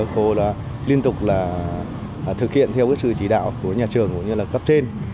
cô liên tục thực hiện theo sự chỉ đạo của nhà trường cũng như là cấp trên